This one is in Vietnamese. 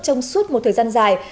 trong suốt một thời gian dài